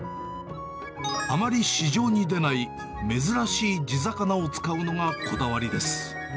あまり市場に出ない珍しい地魚を使うのがこだわりです。